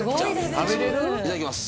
いただきます。